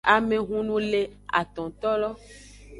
Amehunu le atontolo.